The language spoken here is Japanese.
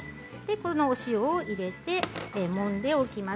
このお塩を入れてもんでおきます。